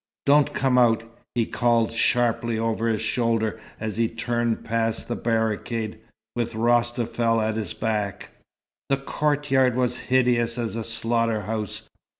"Don't come out!" he called sharply over his shoulder as he turned past the barricade, with Rostafel at his back. The courtyard was hideous as a slaughter house.